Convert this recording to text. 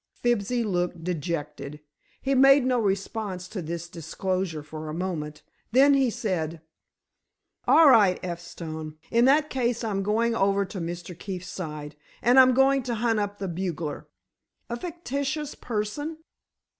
Fibsy looked dejected. He made no response to this disclosure for a moment, then he said: "All right, F. Stone. In that case I'm going over to Mr. Keefe's side, and I'm going to hunt up the bugler." "A fictitious person?"